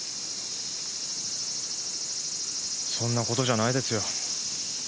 そんな事じゃないですよ。